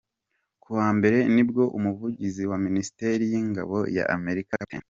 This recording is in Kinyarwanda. Ku wa mbere nibwo umuvugizi wa Minisiteri y’ingabo ya Amerika Capt.